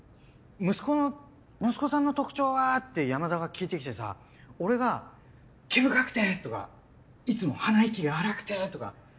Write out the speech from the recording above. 「息子の息子さんの特徴は」って山田が聞いてきてさ俺が「毛深くて」とか「いつも鼻息が荒くて」とかそういうためを作るのどうかな？